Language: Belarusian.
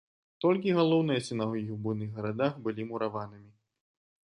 Толькі галоўныя сінагогі ў буйных гарадах былі мураванымі.